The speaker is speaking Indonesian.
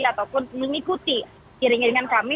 ataupun mengikuti kiring kiringan kami